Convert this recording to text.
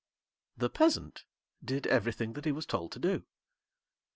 The Peasant did everything that he was told to do.